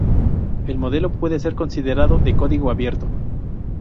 El modelo puede ser considerado "de código abierto".